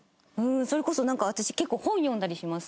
それこそなんか私結構本読んだりします。